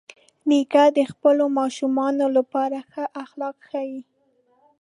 نیکه د خپلو ماشومانو لپاره ښه اخلاق ښيي.